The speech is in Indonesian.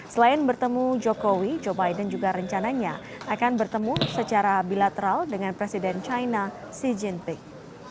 selain bertemu jokowi joe biden juga rencananya akan bertemu secara bilateral dengan presiden china xi jinping